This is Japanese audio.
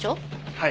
はい。